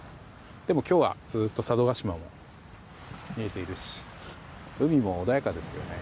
でも今日はずっと佐渡島も見えているし海も穏やかですよね。